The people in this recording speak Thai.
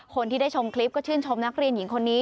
คนที่ได้ชมคลิปก็ชื่นชมนักเรียนหญิงคนนี้